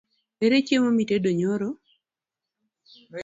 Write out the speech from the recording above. Ere chiemo manitedo nyoro?